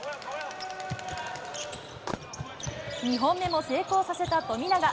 ２本目も成功させた富永。